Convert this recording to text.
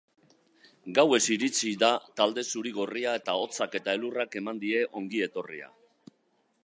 Gauez iritsi da talde zuri-gorria eta hotzak eta elurrak eman die ongi etorria.